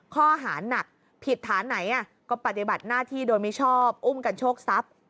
ข้อหานักผิดฐานไหนก็ปฏิบัติหน้าที่โดยมิชอบอุ้มกันโชคทรัพย์